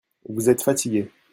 Vous êtes fatigués.